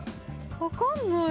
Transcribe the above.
分かんない。